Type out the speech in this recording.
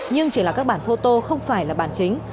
nhưng chỉ là các bản photo không phải là bản chính